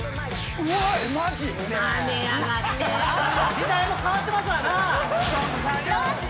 時代も変わってますわなぁ！